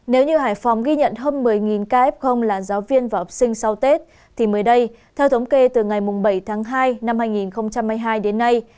nếu như hải phòng ghi nhận hơn một mươi ca f là giáo viên và học sinh sau tết thì mới đây theo thống kê từ ngày bảy tháng hai năm hai nghìn hai mươi hai đến nay